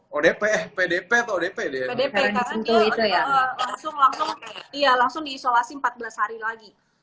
pdp karena dia langsung diisolasi empat belas hari lagi